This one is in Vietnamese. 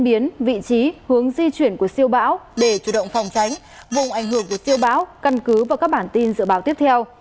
để chủ động phòng tránh vùng ảnh hưởng từ siêu báo căn cứ và các bản tin dự báo tiếp theo